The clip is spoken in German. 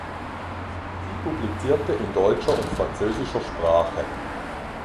Sie publizierte in deutscher und französischer Sprache.